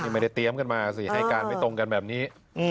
ไม่ได้เตรียมกันมาสิให้การไม่ตรงกันแบบนี้